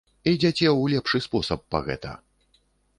Ідзяце ў лепшы спосаб па гэта.